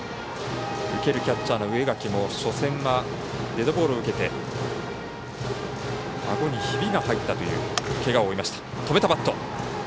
受けるキャッチャーの植垣も初戦はデッドボールを受けてあごにひびが入ったというけがを負いました。